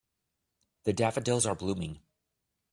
The daffodils are blooming.